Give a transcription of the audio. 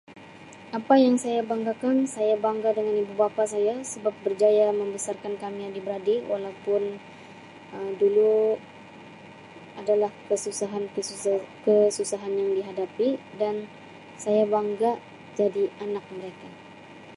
Apa yang saya banggakan saya bangga dengan ibu bapa saya sebab berjaya membesarkan kami adik-beradik walaupun Um dulu ada lah kesusahan kesus-kesusahan yang dihadapi dan saya bangga jadi anak mereka.